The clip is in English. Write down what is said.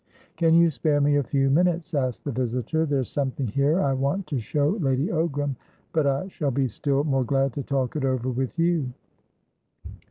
"Can you spare me a few minutes?" asked the visitor. "There's something here I wanted to show Lady Ogram; but I shall be still more glad to talk it over with you."